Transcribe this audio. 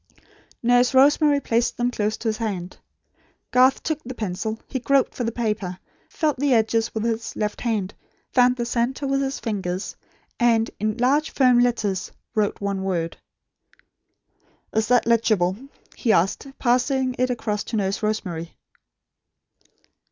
Nurse Rosemary placed them close to his hand. Garth took up the pencil. He groped for the paper; felt the edges with his left hand; found the centre with his fingers; and, in large firm letters, wrote one word. "Is that legible?" he asked, passing it across to Nurse Rosemary.